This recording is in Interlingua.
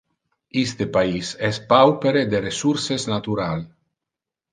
Iste pais es paupere de ressources natural.